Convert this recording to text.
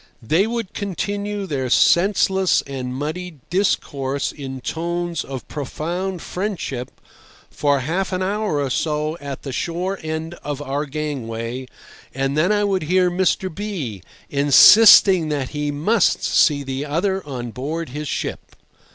They would continue their senseless and muddled discourse in tones of profound friendship for half an hour or so at the shore end of our gangway, and then I would hear Mr. B— insisting that he must see the other on board his ship.